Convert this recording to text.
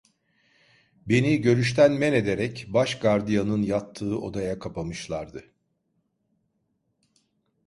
Beni görüşten menederek başgardiyanın yattığı odaya kapamışlardı.